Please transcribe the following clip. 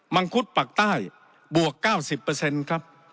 ังคุดปากใต้บวก๙๐ครับ